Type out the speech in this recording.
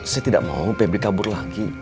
saya tidak mau pbb kabur lagi